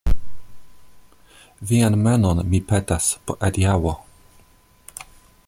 Vian manon, mi petas, por adiaŭo.